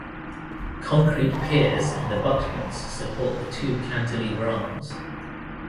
Concrete piers and abutments support the two cantilever arms.